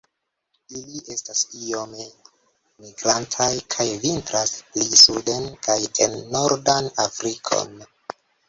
Ili estas iome migrantaj, kaj vintras pli suden kaj en nordan Afrikon.